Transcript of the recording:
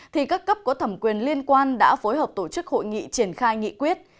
thì các cấp có thẩm quyền liên quan đã phối hợp tổ chức hội nghị triển khai nghị quyết